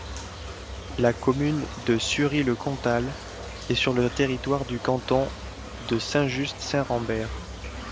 La commune de Sury-le-Comtal est sur le territoire du canton de Saint-Just-Saint-Rambert.